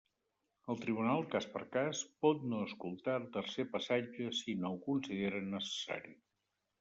El tribunal, cas per cas, pot no escoltar el tercer passatge si no ho considera necessari.